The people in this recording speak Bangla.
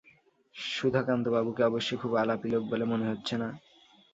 সুধাকান্তবাবুকে অবশ্যি খুব আলাপী লোক বলে মনে হচ্ছে না।